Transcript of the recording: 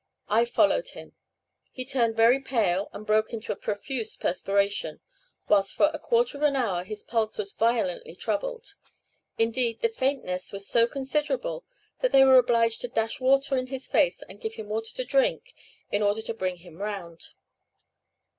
I followed him. He turned very pale and broke into a profuse perspiration, whilst for a quarter of an hour his pulse was violently troubled; indeed, the faintness was so considerable, that they were obliged to dash water in his face and give him water to drink in order to bring him round."